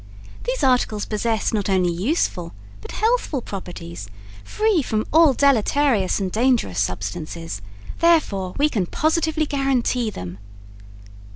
These articles possess not only useful, but healthful properties, free from all deleterious and dangerous substances, therefore, we can positively guarantee them.